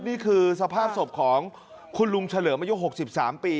นี่คือสภาพศพของคุณลุงเฉลิมอายุ๖๓ปี